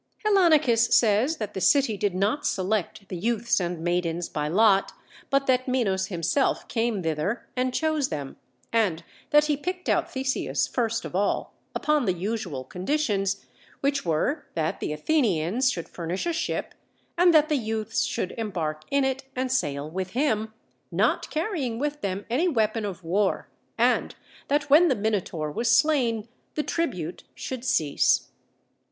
Hellanicus says that the city did not select the youths and maidens by lot, but that Minos himself came thither and chose them, and that he picked out Theseus first of all, upon the usual conditions, which were that the Athenians should furnish a ship, and that the youths should embark in it and sail with him, not carrying with them any weapon of war; and that when the Minotaur was slain, the tribute should cease.